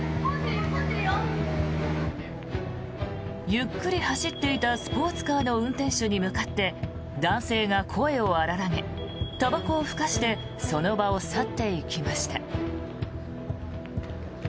ゆっくり走っていたスポーツカーの運転手に向かって男性が声を荒らげたばこをふかしてその場を去っていきました。